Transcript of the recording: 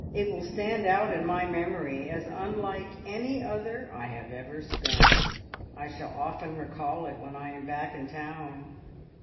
It will stand out in my memory as unlike any other I have ever spent. I shall often recall it when I am back in town."